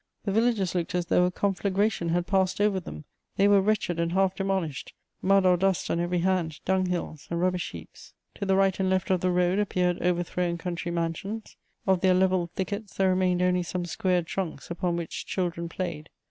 The villages looked as though a conflagration had passed over them; they were wretched and half demolished: mud or dust on every hand, dunghills and rubbish heaps. To the right and left of the road appeared overthrown country mansions; of their levelled thickets there remained only some squared trunks, upon which children played.